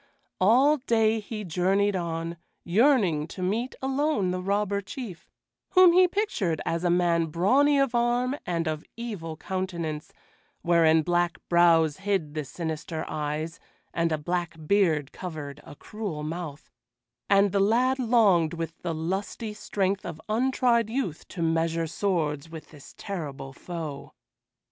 All day he journeyed on, yearning to meet alone the Robber Chief, whom he pictured as a man brawny of arm and of evil countenance, wherein black brows hid the sinister eyes, and a black beard covered a cruel mouth; and the lad longed with the lusty strength of untried youth to measure swords with this terrible foe.